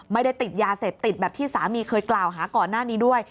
ไม่ได้ติดยาเสพติดแบบที่สามีเคยกล่าวหาก่อนหน้านี้ด้วย